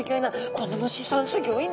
この虫さんすギョいな